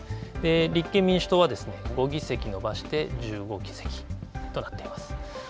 立憲民主党は５議席伸ばして１５議席となっています。